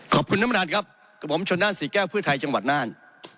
ขอบคุณธรรมาฐครับก็ผมชนนานสี่แก้วภิทัยจังหวัดนาน